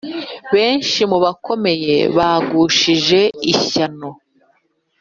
Benshi mu bakomeye bagushije ishyano,